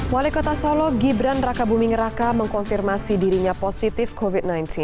wali kota solo gibran raka buming raka mengkonfirmasi dirinya positif covid sembilan belas